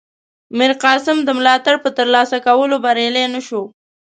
میرقاسم د ملاتړ په ترلاسه کولو بریالی نه شو.